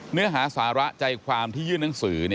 เนื้อหาสาระใจความที่ยื่นหนังสือ